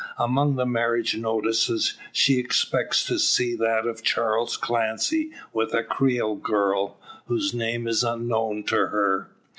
Among the marriage notices she expects to see that of Charles Clancy with a Creole girl, whose name is unknown to her.